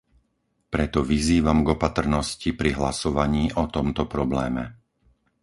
Preto vyzývam k opatrnosti pri hlasovaní o tomto probléme.